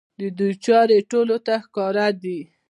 د دوی چارې ټولو ته ښکاره دي.